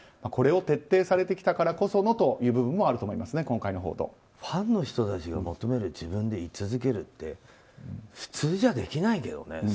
これを徹底されてきたからこそのという部分もあると思いますねファンの人たちが求める自分で居続けるって普通じゃできないけどね。